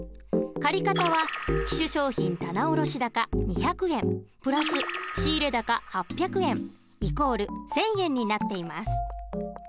借方は期首商品棚卸高２００円＋仕入高８００円＝１，０００円になっています。